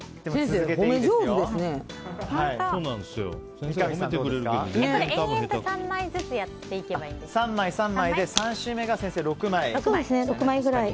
延々と、３枚ずつ３枚、３枚で３周目が６枚で。